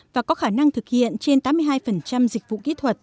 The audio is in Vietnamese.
và có khả năng thực hiện trên tám mươi hai dịch vụ kỹ thuật